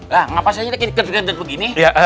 nah ngapain saya jadi kaget gaget begini